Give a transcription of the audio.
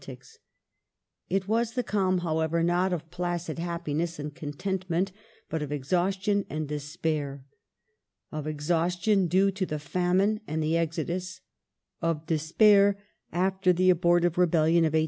'T^t tics, 1848 was the calm, however, not of placid happiness and contentment, ^^^5 but of exhaustion and despair : of exhaustion due to the famine and the exodus; of despair after the abortive rebellion of 1848.